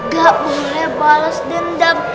gak boleh bales dendam